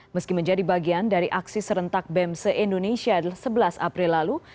meski menjadi bagian dari aksi serentak bem se indonesia sebelas april lalu